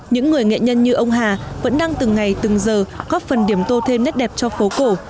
những người nghệ nhân như ông hà vẫn đang từng ngày từng giờ góp phần điểm tô thêm nét đẹp cho phố cổ